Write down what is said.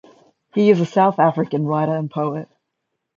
He is a South African writer and poet.